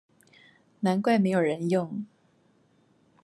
難怪沒有人用